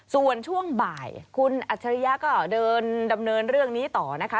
ส่วนช่วงบ่ายคุณอัจฉริยะก็เดินดำเนินเรื่องนี้ต่อนะคะ